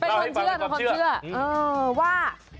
เป็นความเชื่อเป็นความเชื่อว่า